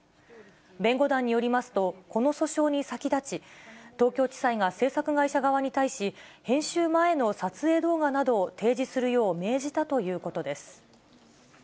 弁護団によりますと、この訴訟に先立ち、東京地裁が制作会社側に対し、編集前の撮影動画などを提示するよう命じたということです。